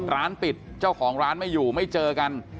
ร้านปิดเจ้าของร้านไม่อยู่ไม่เจอกัน